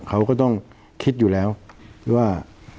เขาก็ต้องคิดอยู่แล้วว่า